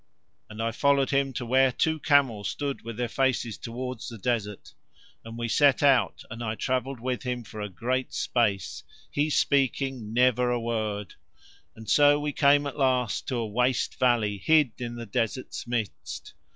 And I followed him to where two camels stood with their faces towards the desert. And we set out and I travelled with him for a great space, he speaking never a word, and so we came at last to a waste valley hid in the desert's midst.